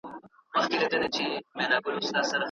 ډاکټر به د لوړ ږغ سره پاڼه ړنګه کړي.